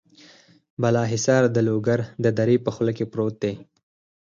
بالا حصار د لوګر د درې په خوله کې پروت دی.